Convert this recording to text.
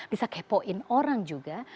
bisa kepoin orang juga